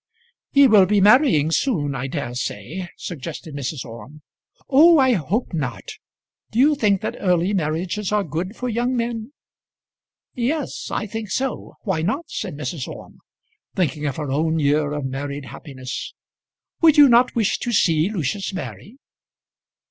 "He will be marrying soon, I dare say," suggested Mrs. Orme. "Oh, I hope not. Do you think that early marriages are good for young men?" "Yes, I think so. Why not?" said Mrs. Orme, thinking of her own year of married happiness. "Would you not wish to see Lucius marry?"